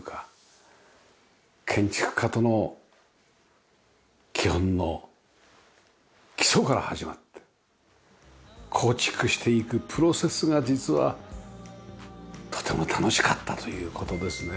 建築家との基本の基礎から始まって構築していくプロセスが実はとても楽しかったという事ですね。